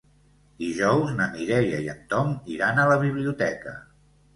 Dijous na Mireia i en Tom iran a la biblioteca.